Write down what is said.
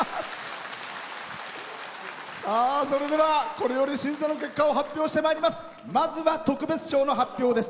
それでは、これより審査の結果を発表してまいります。